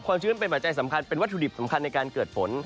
ชื้นเป็นปัจจัยสำคัญเป็นวัตถุดิบสำคัญในการเกิดฝน